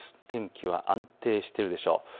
天気は安定しているでしょう。